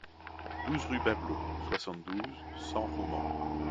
douze rue Bablot, soixante-douze, cent au Mans